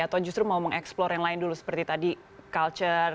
atau justru mau mengeksplor yang lain dulu seperti tadi culture